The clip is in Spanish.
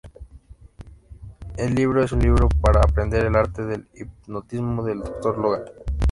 El libro es un libro para aprender el arte del hipnotismo del doctor Logan.